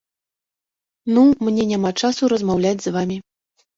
Ну, мне няма часу размаўляць з вамі.